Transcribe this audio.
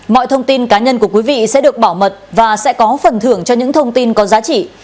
mọi thông tin cá nhân của quý vị sẽ được bảo mật và sẽ có phần thưởng cho những thông tin có giá trị